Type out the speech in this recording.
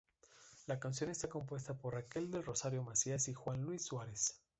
La canción está compuesta por Raquel del Rosario Macías y Juan Luis Suárez.